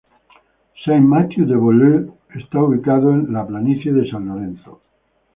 Saint-Mathieu-de-Beloeil está ubicado en la planicie de San Lorenzo.